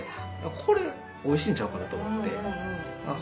これおいしいんちゃうかなと思って。